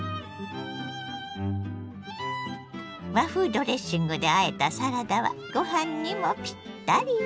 和風ドレッシングであえたサラダはご飯にもピッタリよ。